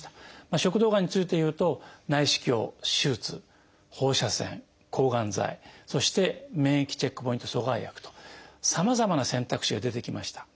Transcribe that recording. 食道がんについて言うと内視鏡手術放射線抗がん剤そして免疫チェックポイント阻害薬とさまざまな選択肢が出てきました。